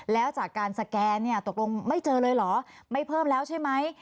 แล้วจากการสแกนตกลงไม่เจอเลยเหรอไม่เพิ่มแล้วใช่ไหม